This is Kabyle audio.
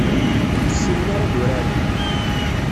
Ur ssinen ara ad uraren.